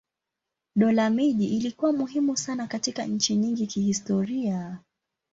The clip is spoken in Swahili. Dola miji ilikuwa muhimu sana katika nchi nyingi kihistoria.